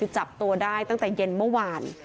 จับตัวได้ตั้งแต่เย็นเมื่อวาน